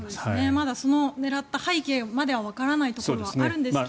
まだその狙った背景まではわからないところはあるんですが。